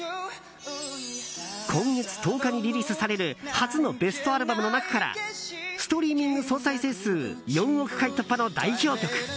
今月１０日にリリースされる初のベストアルバムの中からストリーミング総再生数４億回突破の代表曲。